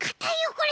これ！